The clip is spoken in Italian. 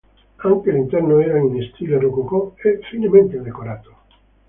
Anche l'interno era in stile rococò e finemente decorato.